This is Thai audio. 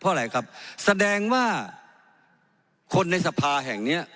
เพราะอะไรครับแสดงว่าคนในสภาแห่งเนี้ย